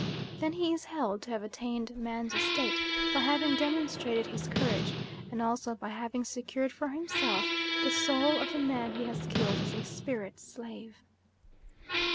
Then he is held to have attained man's estate by having demonstrated his courage and also by having secured for himself the soul of the man he has killed as a spirit slave.